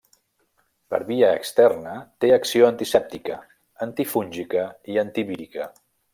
Per via externa té acció antisèptica, antifúngica i antivírica.